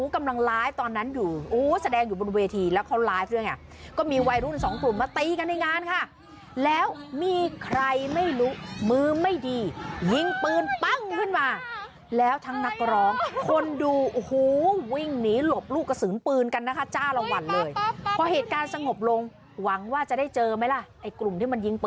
กำลังไลฟ์ตอนนั้นอยู่โอ้แสดงอยู่บนเวทีแล้วเขาไลฟ์ด้วยไงก็มีวัยรุ่นสองกลุ่มมาตีกันในงานค่ะแล้วมีใครไม่รู้มือไม่ดียิงปืนปั้งขึ้นมาแล้วทั้งนักร้องคนดูโอ้โหวิ่งหนีหลบลูกกระสุนปืนกันนะคะจ้าละวันเลยพอเหตุการณ์สงบลงหวังว่าจะได้เจอไหมล่ะไอ้กลุ่มที่มันยิงปืน